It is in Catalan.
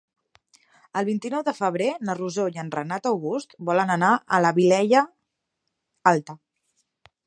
El vint-i-nou de febrer na Rosó i en Renat August volen anar a la Vilella Alta.